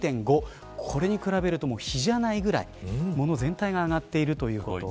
これに比べると比じゃないぐらい物全体が上がっているということ。